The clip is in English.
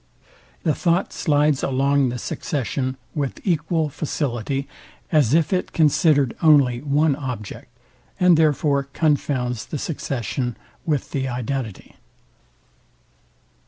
The thought slides along the succession with equal facility, as if it considered only one object; and therefore confounds the succession with the identity.